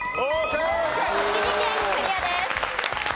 栃木県クリアです。